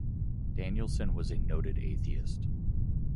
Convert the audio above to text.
Danielsson was a noted atheist.